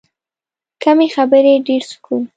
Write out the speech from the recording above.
کمې خبرې، ډېر سکون.